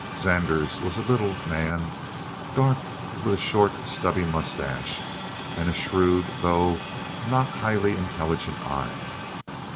Zanders was a little man, dark, with a short, stubby mustache, and a shrewd though not highly intelligent eye.